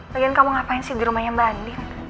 lagian kamu ngapain sih di rumahnya mbak andien